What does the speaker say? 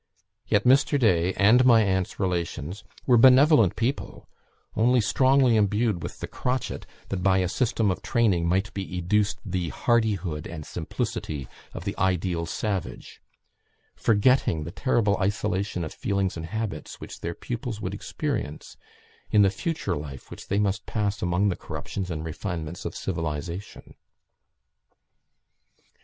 Yet Mr. Day and my aunt's relations were benevolent people, only strongly imbued with the crotchet that by a system of training might be educed the hardihood and simplicity of the ideal savage, forgetting the terrible isolation of feelings and habits which their pupils would experience in the future life which they must pass among the corruptions and refinements of civilization.